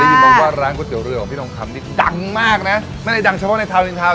มองว่าร้านก๋วเตี๋เรือของพี่ทองคำนี่ดังมากนะไม่ได้ดังเฉพาะในทาวนินทาวน